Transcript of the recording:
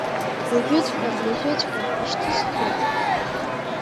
Уажәыҵәҟьа, уажәыҵәҟьа ишьҭысхуеит.